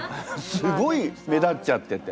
すごい目立っちゃってて。